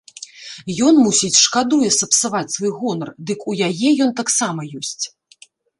Ён, мусіць, шкадуе сапсаваць свой гонар, дык у яе ён таксама ёсць.